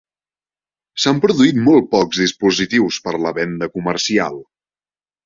S'han produït molt pocs dispositius per a la venda comercial.